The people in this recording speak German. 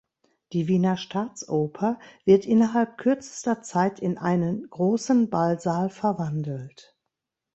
Die Wiener Staatsoper wird innerhalb kürzester Zeit in einen großen Ballsaal verwandelt.